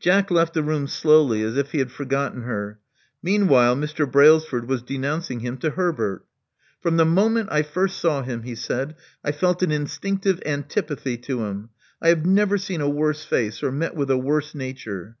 Jack left the room slowly as if he had forgotten her. Meanwhile Mr. Brailsford was denouncing him to Herbert. From the moment I first saw him," he said, I felt an instinctive antipathy to him. I have never seen a worse face, or met with a worse nature."